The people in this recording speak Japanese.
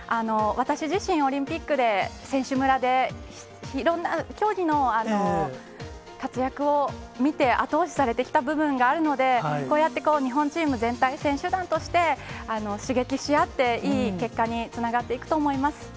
私自身、オリンピックで選手村で、いろんな競技の活躍を見て、後押しされてきた部分があるので、こうやって日本チーム全体、選手団として刺激し合っていい結果につながっていくと思います。